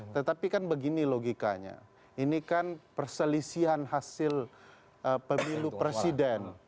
tetapi kan begini logikanya ini kan perselisihan hasil pemilu presiden